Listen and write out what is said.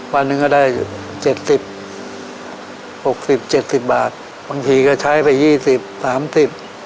วันหนึ่งก็ได้เจ็ดสิบหกสิบเจ็ดสิบบาทบางทีก็ใช้ไปยี่สิบสามสิบ